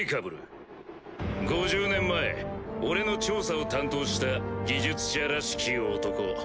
５０年前俺の調査を担当した技術者らしき男。